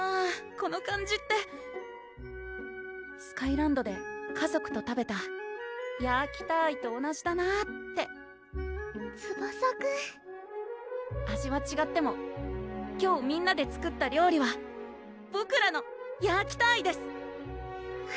この感じってスカイランドで家族と食べたヤーキターイと同じだなってツバサくん味はちがっても今日みんなで作った料理はボクらのヤーキターイです！